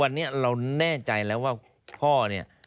วันนี้เราแน่ใจแล้วว่าพ่อเนี่ย